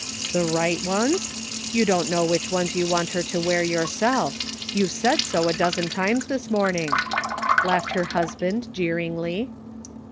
" The right ones? You don't know which ones you want her to wear yourself ; you've said so a dozen times this morning," laughed her husband, jeeringly.